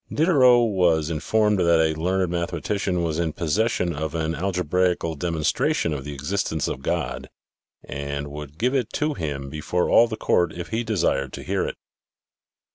Diderot was informed that a learned mathematician was in possession of an al gebraical demonstration of the existence of God and would give it to him before all the court if he desired to hear it.